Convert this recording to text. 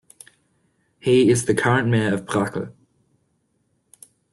He is the current mayor of Brakel.